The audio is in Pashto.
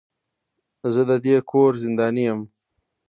زه د دې کور زنداني يم.